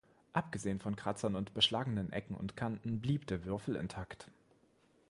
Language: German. Abgesehen von Kratzern und beschlagenen Ecken und Kanten blieb der Würfel intakt.